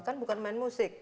kan bukan main musik